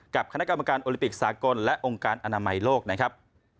กับคณะกรรมการโอลิปิกสากลและองค์การอนามัยโลกนะครับ